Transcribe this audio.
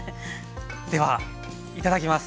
ではいただきます。